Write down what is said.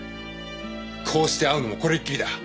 こうして会うのもこれっきりだ。